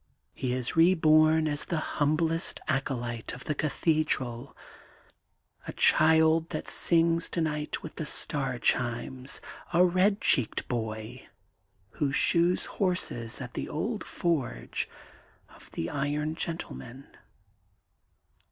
He is reborn as the humblest acolyte of the Cathedral, a child that sings tonight with the star chimes, a red cheeked boy, who shoes horses at the old forge of the ton Gentleman.